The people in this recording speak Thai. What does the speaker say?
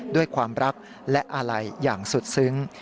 ด้วยความรักและอาลัยอย่างสุดซึ้ง